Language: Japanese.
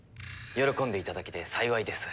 喜んでいただけて幸いです。